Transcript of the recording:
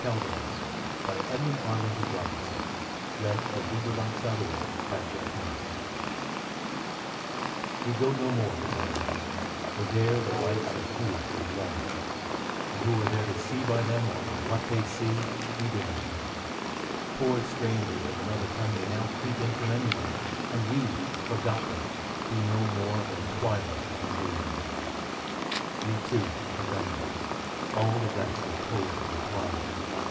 Swallow it? — ^No, not I ... God, what a way to die! 1381 CALVERLY'S 1 CALVERLY'S We go no more to Calverl/s, For there the lights are few and low; And who are there to see by them, Or what they see, we do not know. Poor strangers of another tongue May now creep in from anywhere, And we, forgotten, be no more Than twilight on a ruin there. Mil We two, the remnant. All the rest Are cold and quiet.